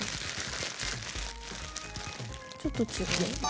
ちょっと違う？